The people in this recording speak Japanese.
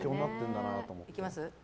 いきます？